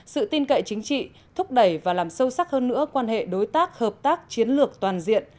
sự tin cậy chính trị thúc đẩy và làm sâu sắc hơn nữa quan hệ đối tác hợp tác chiến lược toàn diện